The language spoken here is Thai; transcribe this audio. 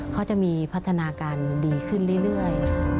เขาจะมีพัฒนาการดีขึ้นเรื่อย